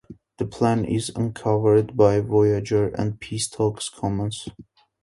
The plan is uncovered by Voyager and peace talks commence.